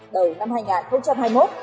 đầu năm hai nghìn hai mươi một